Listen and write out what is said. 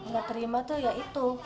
yang terima itu ya itu